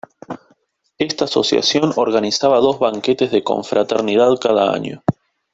Esta asociación organizaba dos banquetes de confraternidad cada año.